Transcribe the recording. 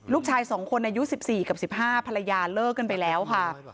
ลูกชาย๒คนอายุ๑๔กับ๑๕ภรรยาเลิกกันไปแล้วค่ะ